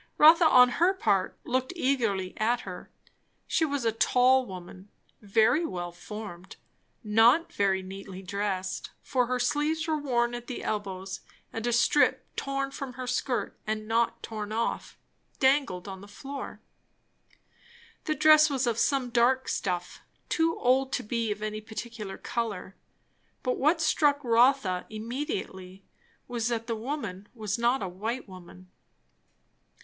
Rotha on her part looked eagerly at her. She was a tall woman, very well formed; not very neatly dressed, for her sleeves were worn at the elbows, and a strip torn from her skirt and not torn off, dangled on the floor. The dress was of some dark stuff, too old to be of any particular colour. But what struck Rotha immediately was, that the woman was not a white woman.